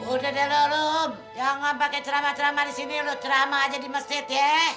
udah deh lo lo jangan pake ceramah ceramah disini lo ceramah aja di masjid ya